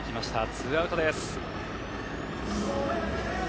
ツーアウトです。